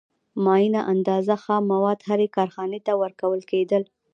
معینه اندازه خام مواد هرې کارخانې ته ورکول کېدل